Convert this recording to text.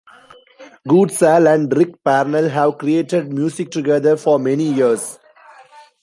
Goodsall and Ric Parnell have created music together for many years.